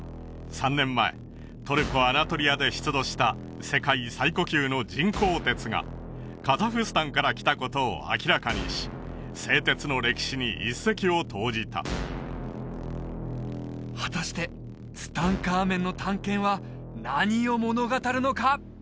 ３年前トルコアナトリアで出土した世界最古級の人工鉄がカザフスタンから来たことを明らかにし製鉄の歴史に一石を投じた果たしてツタンカーメンの短剣は何を物語るのか？